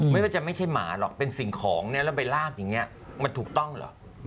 ไม่ว่าจะไม่ใช่หมาหรอกเป็นสิ่งของเนี่ยแล้วไปลากอย่างนี้มันถูกต้องเหรอ